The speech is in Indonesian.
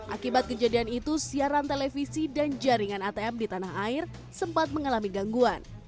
akibat kejadian itu siaran televisi dan jaringan atm di tanah air sempat mengalami gangguan